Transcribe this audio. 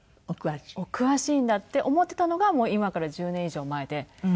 お詳しいんだって思ってたのが今から１０年以上前で。